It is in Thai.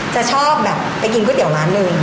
จะชอบแบบไปกินก๋วยเตี๋ยวร้านหนึ่ง